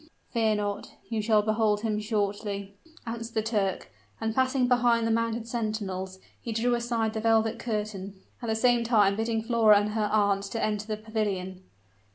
"Fear not, you shall behold him shortly," answered the Turk; and passing behind the mounted sentinels, he drew aside the velvet curtain, at the same time bidding Flora and her aunt enter the pavilion.